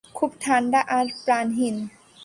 খুব ঠান্ডা আর প্রাণহীন।